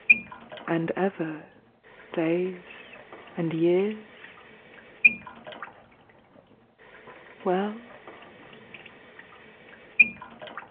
. and ever days and years Well?